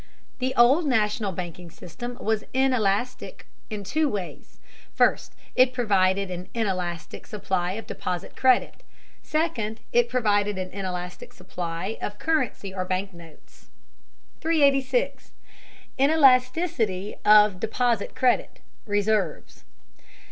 The old national banking system was inelastic in two ways: first, it provided an inelastic supply of deposit credit; second, it provided an inelastic supply of currency or bank notes. 386. INELASTICITY OF DEPOSIT CREDIT (RESERVES).